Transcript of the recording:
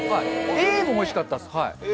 Ａもおいしかったっす。